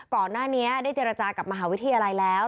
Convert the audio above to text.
ก่อนหน้านี้ได้เจรจากับมหาวิทยาลัยแล้ว